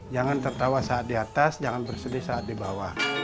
jangan tertawa saat di atas jangan bersedih saat di bawah